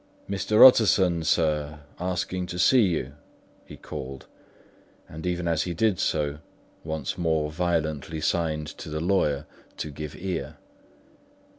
"Mr. Utterson, sir, asking to see you," he called; and even as he did so, once more violently signed to the lawyer to give ear.